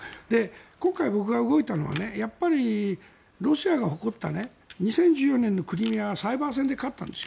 今回、僕が動いたのはロシアが誇った２０１４年のクリミアはサイバー戦で勝ったんですよ。